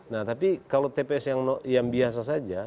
nah tapi kalau tps yang biasa saja